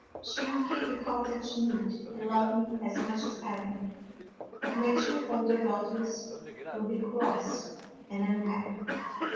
" She will keep the cottage neat, and love me as much as ever; but my two older daughters will be cross and unhappy.